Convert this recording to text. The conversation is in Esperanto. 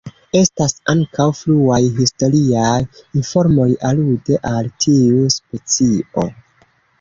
Estas ankaŭ fruaj historiaj informoj alude al tiu specio.